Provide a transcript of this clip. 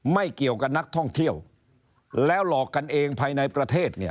ไม่เกี่ยวกับนักท่องเที่ยวแล้วหลอกกันเองภายในประเทศเนี่ย